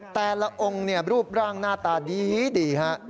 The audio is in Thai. แต่ละองค์รูปร่างหน้าตาดีฮะ